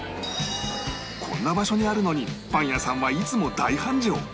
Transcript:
こんな場所にあるのにパン屋さんはいつも大繁盛